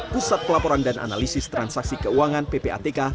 pusat pelaporan dan analisis transaksi keuangan ppatk